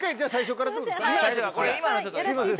すいません。